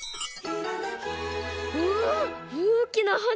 おおおきなはな！